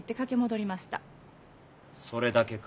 それだけか？